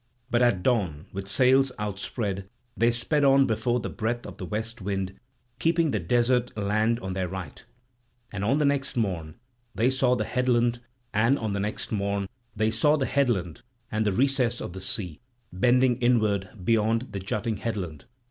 But at dawn with sails outspread they sped on before the breath of the west wind, keeping the desert land on their right. And on the next morn they saw the headland and the recess of the sea, bending inward beyond the jutting headland.